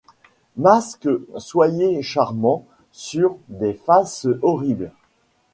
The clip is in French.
Masques, soyez charmants sur des faces horribles.